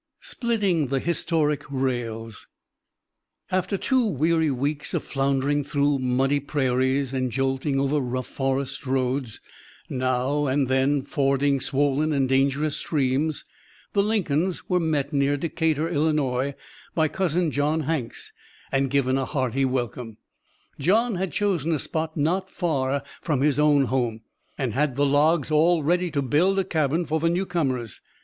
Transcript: SPLITTING THE HISTORIC RAILS After two weary weeks of floundering through muddy prairies and jolting over rough forest roads, now and then fording swollen and dangerous streams, the Lincolns were met near Decatur, Illinois, by Cousin John Hanks, and given a hearty welcome. John had chosen a spot not far from his own home, and had the logs all ready to build a cabin for the newcomers.